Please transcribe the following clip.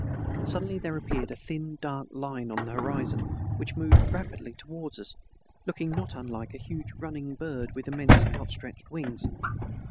Suddenly there appeared a thin dark line on the horizon which moved rapidly towards us, looking not unlike a huge running bird with immense outstretched wings.